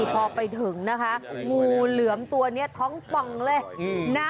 พอไปถึงนะคะงูเหลือมตัวนี้ท้องป่องเลยนะ